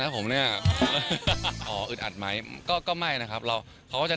น่ารักมากน่ารักมากน่ารักมากน่ารักมากน่ารักมากน่ารักมากน่ารักมาก